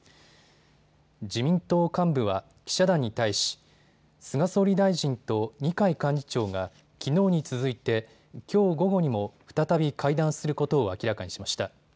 自民党幹部は記者団に対し菅総理大臣と二階幹事長がきのうに続いてきょう午後にも再び会談することを明らかにしました。